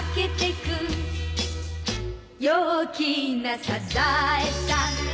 「陽気なサザエさん」